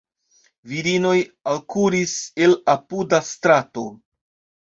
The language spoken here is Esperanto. Virinoj alkuris el apuda strato.